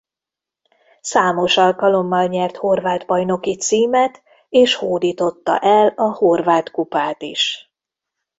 Számos alkalommal nyert horvát bajnoki címet és hódította el a Horvát Kupát is.